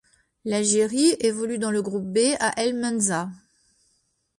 L'Algérie évolue dans le Groupe B à El Menzah.